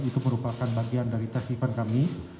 itu merupakan bagian dari tes event kami